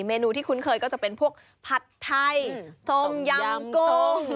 เมนูที่คุ้นเคยก็จะเป็นพวกผัดไทยส้มยำกุ้ง